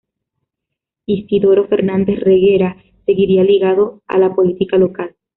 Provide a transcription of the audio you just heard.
Isidoro Fernández Reguera seguiría ligado a la política local.